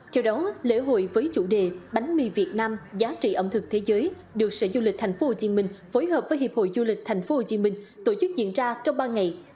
theo đó lễ hội với chủ đề bánh mì việt nam giá trị ẩm thực thế giới được sở du lịch tp hcm phối hợp với hiệp hội du lịch tp hcm tổ chức diễn ra trong ba ngày